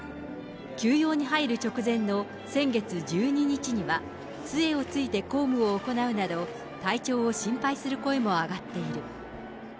休養に入る直前の先月１２日には、つえをついて公務を行うなど、体調を心配する声も上がっている。